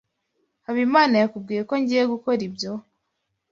Habimana yakubwiye ko ngiye gukora ibyo?